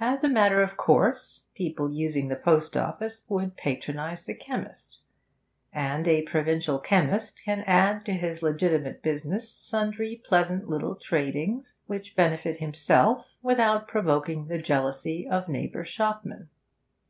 As a matter of course, people using the post office would patronise the chemist; and a provincial chemist can add to his legitimate business sundry pleasant little tradings which benefit himself without provoking the jealousy of neighbour shopmen.